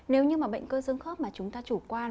nếu như mà bệnh cơ xương khớp mà chúng ta chủ quan